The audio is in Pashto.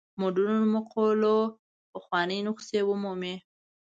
مډرنو مقولو پخوانۍ نسخې ومومي.